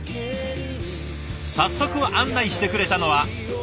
早速案内してくれたのは。